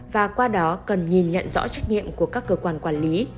và qua đó cần nhìn nhận rõ trách nhiệm của các cơ quan quản lý